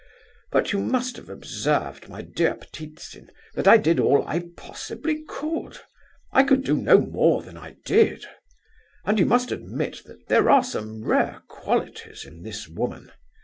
But you must have observed, my dear Ptitsin, that I did all I possibly could. I could do no more than I did. And you must admit that there are some rare qualities in this woman.